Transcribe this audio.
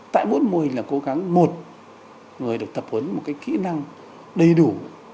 tại mỗi mô hình là cố gắng một người được tập huấn một cái kỹ năng đầy đủ